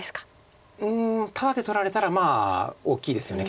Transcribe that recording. うんタダで取られたらまあ大きいですよね